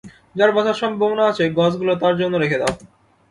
যার বাঁচার সম্ভাবনা আছে গজগুলো তার জন্য রেখে দাও।